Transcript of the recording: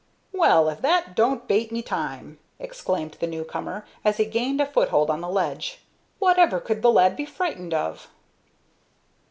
"Well, if that don't bate my time!" exclaimed the new comer, as he gained a foothold on the ledge. "Whatever could the lad be frightened of?"